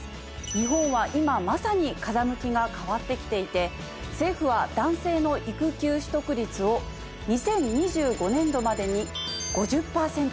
日本は今まさに風向きが変わってきていて政府は男性の育休取得率を２０２５年度までに５０％。